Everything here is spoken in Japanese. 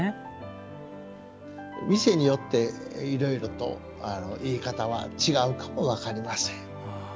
店によっていろいろと言い方は違うかも分かりません。